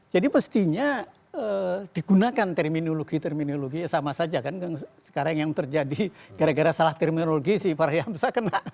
jadi pastinya digunakan terminologi terminologi sama saja kan sekarang yang terjadi gara gara salah terminologi si pak rhyamsa kena